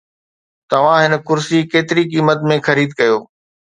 توهان هن ڪرسي ڪيتري قيمت ۾ خريد ڪيو؟